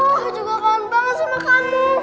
aku juga kangen banget sama kamu